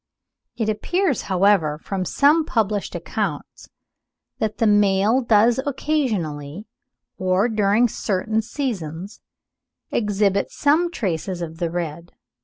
It appears, however, from some published accounts, that the male does occasionally, or during certain seasons, exhibit some traces of the red.